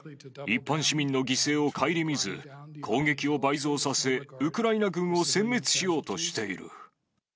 一般市民の犠牲を顧みず、攻撃を倍増させ、ウクライナ軍をせん滅しようとしている。